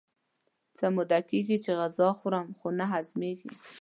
څه موده کېږي چې غذا خورم خو نه هضمېږي.